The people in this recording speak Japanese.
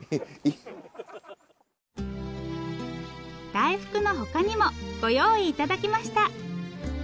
大福の他にもご用意頂きました。